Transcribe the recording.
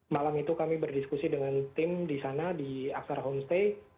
malam itu kami berdiskusi dengan tim disana di aksar homestay